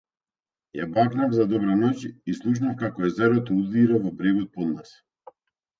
Ја бакнав за добра ноќ и слушав како езерото удира во брегот под нас.